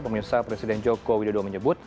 pemerintah presiden jokowi dodo menyebut